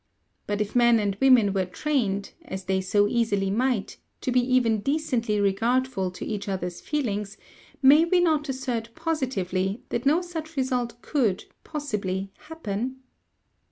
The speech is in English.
But if men and women were trained (as they so easily might!) to be even decently regardful of each other's feelings, may we not assert positively, that no such result could, possibly happen?